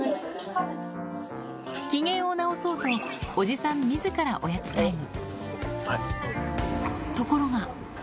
機嫌を直そうと、おじさんみずからおやつタイム。